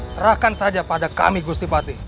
serahkan saja pada kami gusti pati